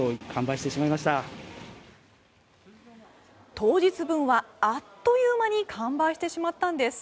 当日分はあっという間に完売してしまったんです。